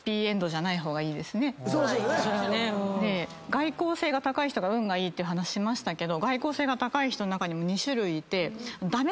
外向性が高い人が運がいいって話しましたけど。